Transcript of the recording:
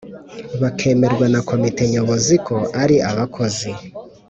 bakemerwa na Komite Nyobozi ko ari abakozi